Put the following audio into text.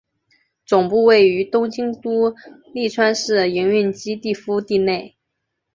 总部位于东京都立川市营运基地敷地内。